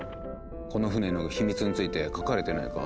この船の秘密について書かれてないか？